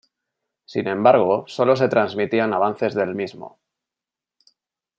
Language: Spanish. Sin embargo, sólo se transmitían avances del mismo.